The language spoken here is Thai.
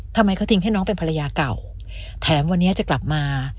ทำไมเขาทิ้งให้น้องเป็นภรรยาเก่าแถมวันนี้จะกลับมา